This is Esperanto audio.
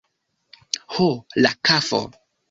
Ho, la kafo!